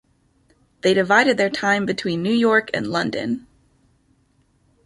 They divided their time between New York and London.